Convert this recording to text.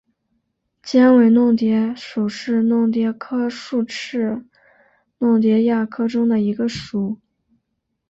尖尾弄蝶属是弄蝶科竖翅弄蝶亚科中的一个属。